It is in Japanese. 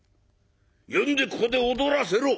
呼んでここで踊らせろ。